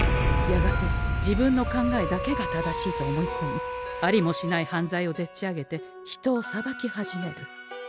やがて自分の考えだけが正しいと思いこみありもしない犯罪をでっちあげて人を裁き始める。